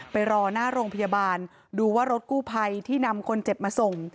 ไปรอหน้าโรงพยาบาลดูว่ารถกู้ภัยที่นำคนเจ็บมาส่ง